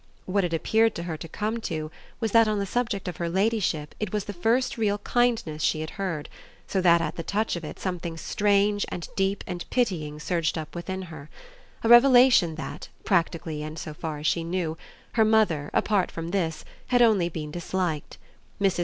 What it appeared to her to come to was that on the subject of her ladyship it was the first real kindness she had heard, so that at the touch of it something strange and deep and pitying surged up within her a revelation that, practically and so far as she knew, her mother, apart from this, had only been disliked. Mrs.